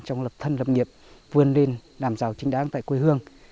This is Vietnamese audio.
trong lập thân lập nghiệp vươn lên làm giàu chính đáng tại quê hương